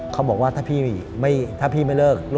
เขาบอกว่าถ้าพี่ไม่เลิก